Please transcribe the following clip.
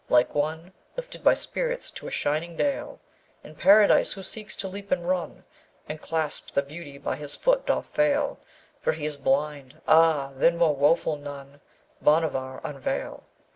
Like one Lifted by spirits to a shining dale In Paradise, who seeks to leap and run And clasp the beauty, but his foot doth fail, For he is blind: ah! then more woful none! Bhanavar, unveil!